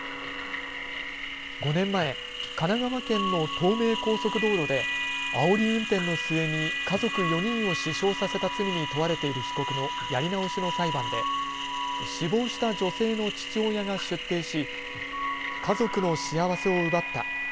５年前、神奈川県の東名高速道路であおり運転の末に家族４人を死傷させた罪に問われている被告のやり直しの裁判で死亡した女性の父親が出廷し家族の幸せを奪った。